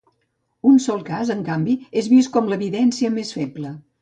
Un sol cas, en canvi, és vist com l’evidència més feble.